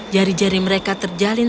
jari jari mereka terjalin